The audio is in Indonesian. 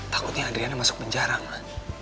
takutnya adriana masuk penjara malah